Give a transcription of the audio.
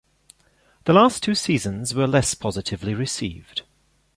The last two seasons were less positively received.